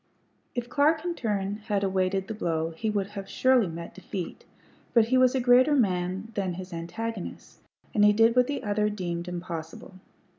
If Clark in turn had awaited the blow he would have surely met defeat; but he was a greater man than his antagonist, and he did what the other deemed impossible.